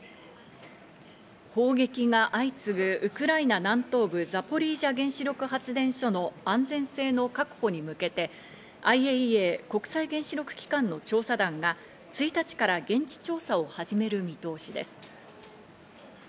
砲撃が相次ぐウクライナ南東部ザポリージャ原子力発電所の安全性の確保に向けて、ＩＡＥＡ＝国際原子力機関の調査団が１日から現地調査を始める見通しです。